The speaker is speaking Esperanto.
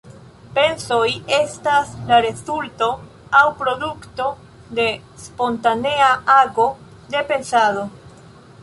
Pensoj estas la rezulto aŭ produkto de spontanea ago de pensado.